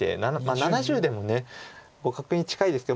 ７０でも互角に近いですけど。